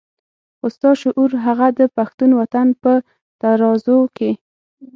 خو ستا شعور هغه د پښتون وطن په ترازو کې.